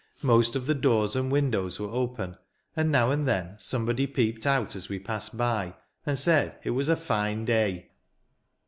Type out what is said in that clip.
Most of the doors and windows were open ; and, now and then, somebody peeped out as we passed by, and said it was " a fine day."